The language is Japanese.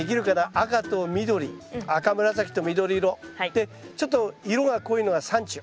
赤と緑赤紫と緑色。でちょっと色が濃いのがサンチュ。